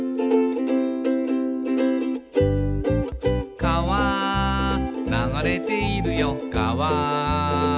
「かわ流れているよかわ」